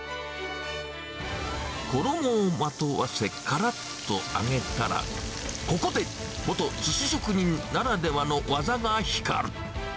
衣をまとわせ、からっと揚げたら、ここで、元すし職人ならではの技が光る。